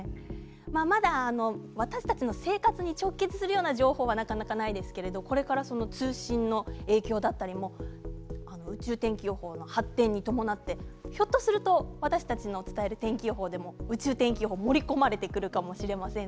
まだ私たちの生活に直結するような情報はなかなかないですけどこれから通信の影響だったりも宇宙天気予報の発展に伴ってひょっとすると私たちのお伝えする天気予報でも宇宙天気予報が盛り込まれてくるかもしれません。